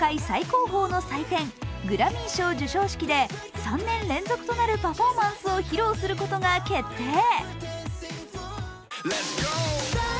最高峰の祭典グラミー賞授賞式で３年連続となるパフォーマンスを披露することが決定。